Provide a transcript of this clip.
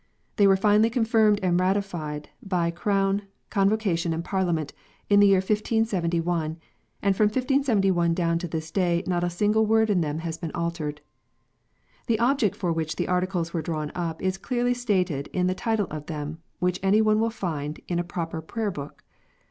They were finally confirmed and ratified by Crown, Convocation, and Parliament, in the year 1571, and from 1571 down to this day not a single word in them has been altered. The object for which the Articles were drawn up is clearly stated in the title of them, which any one will find in a proper Prayer book.